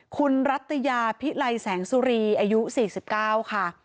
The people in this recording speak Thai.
คุณรัตยาพิไลแสงสุรีอายุ๔๙ค่ะ